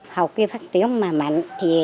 hầu kia phát tiếng mà mạnh